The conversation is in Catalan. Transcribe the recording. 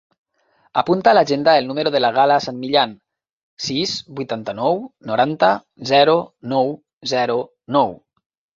Apunta a l'agenda el número de la Gala San Millan: sis, vuitanta-nou, noranta, zero, nou, zero, nou.